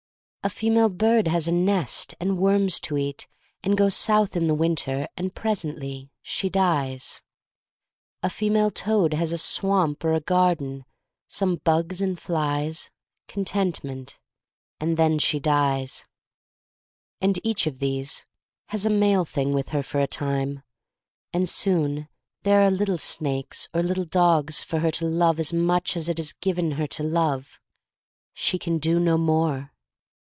A female bird has a nest, and worms to eat, and goes south in the winter, and presently she dies. A female toad has a swamp or a gar den, some bugs and flies, contentment —> and then she dies. And each of these has a male thing with her for a time, and soon there are little snakes or little dogs for her to love as much as it is given her to love — she can do no more.